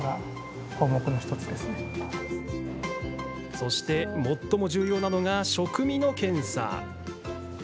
そして、最も重要なのが食味の検査。